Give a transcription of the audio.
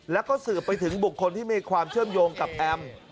แล้วก็สืบไปถึงบุคคลที่มีความเชื่อมโยงกับแอม